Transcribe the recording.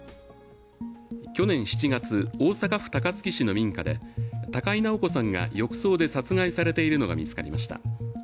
去年７月、大阪府高槻市の民家で高井直子さんが浴槽で殺害されているのが見つかりました。